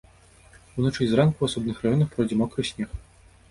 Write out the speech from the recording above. Уначы і зранку ў асобных раёнах пройдзе мокры снег.